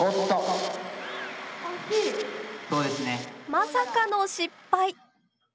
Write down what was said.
まさかの失敗。